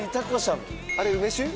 あれ梅酒？